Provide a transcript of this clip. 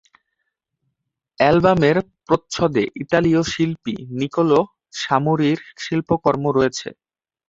অ্যালবামের প্রচ্ছদে ইতালীয় শিল্পী নিকোলা সামোরির শিল্পকর্ম রয়েছে।